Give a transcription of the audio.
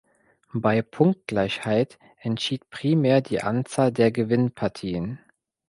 Bei Punktgleichheit entschied primär die Anzahl der Gewinnpartien.